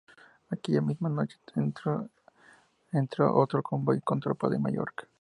Aquella misma noche entró otro convoy con tropas de Mallorca.